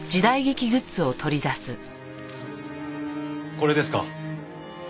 これですか？